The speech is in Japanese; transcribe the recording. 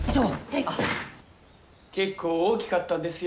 結構大きかったんですよ。